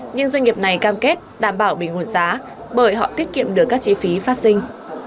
nhưng doanh nghiệp này cam kết đảm bảo bình ổn giá bởi họ tiết kiệm được các chi phí phát sinh